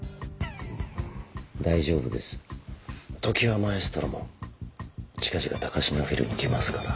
大丈夫です常葉マエストロも近々高階フィルに来ますから。